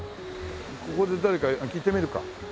ここで誰かに聞いてみるか。